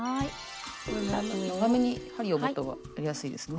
長めに針を持った方がやりやすいですね。